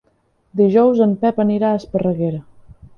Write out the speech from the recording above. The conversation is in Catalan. Dijous en Pep anirà a Esparreguera.